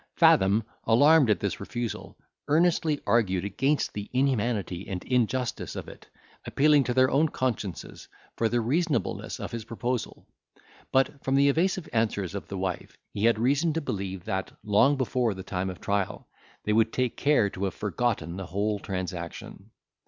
Fathom, alarmed at this refusal, earnestly argued against the inhumanity and injustice of it, appealing to their own consciences for the reasonableness of his proposal; but, from the evasive answers of the wife, he had reason to believe, that, long before the time of trial, they would take care to have forgotten the whole transaction.